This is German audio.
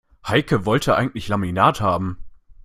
Heike wollte eigentlich Laminat haben.